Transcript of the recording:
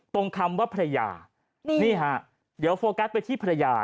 คำว่าภรรยานี่ฮะเดี๋ยวโฟกัสไปที่ภรรยา